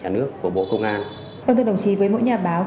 nhà nước của bộ công an